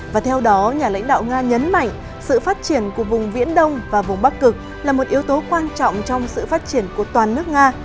và theo đó nhà lãnh đạo nga nhấn mạnh sự phát triển của vùng viễn đông và vùng bắc cực là một yếu tố quan trọng trong sự phát triển của toàn nước nga